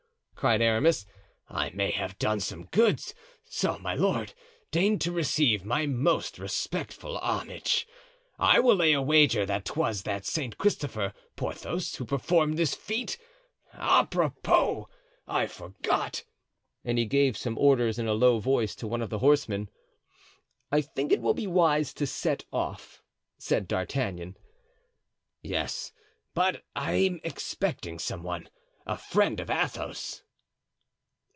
cried Aramis, "I may have done some good; so, my lord, deign to receive my most respectful homage! I will lay a wager that 'twas that Saint Christopher, Porthos, who performed this feat! Apropos! I forgot——" and he gave some orders in a low voice to one of the horsemen. "I think it will be wise to set off," said D'Artagnan. "Yes; but I am expecting some one, a friend of Athos."